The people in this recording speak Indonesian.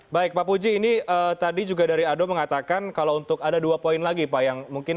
baik pak puji ini tadi juga dari ado mengatakan kalau untuk ada dua poin lagi pak yang mungkin